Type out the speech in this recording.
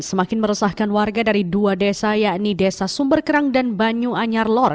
semakin meresahkan warga dari dua desa yakni desa sumber kerang dan banyu anyarlor